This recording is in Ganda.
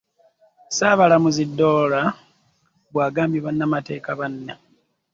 Ssaabalamuzi Dollo bw'agambye bannamateeka ba bano